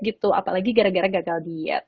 gitu apalagi gara gara gagal diet